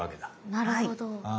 なるほど。